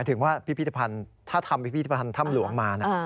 ถึงว่าพิพิธภัณฑ์ถ้าทำพิพิธภัณฑ์ถ้ำหลวงมา